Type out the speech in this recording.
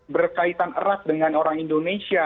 berkaitan erat dengan orang indonesia